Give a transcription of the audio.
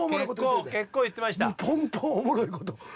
もうポンポンおもろいこと。